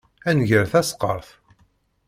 Ad nger taseqqart?